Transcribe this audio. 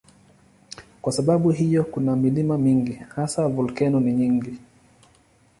Kwa sababu hiyo kuna milima mingi, hasa volkeno ni nyingi.